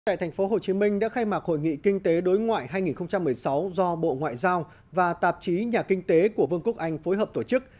tại tp hcm đã khai mạc hội nghị kinh tế đối ngoại hai nghìn một mươi sáu do bộ ngoại giao và tạp chí nhà kinh tế của vương quốc anh phối hợp tổ chức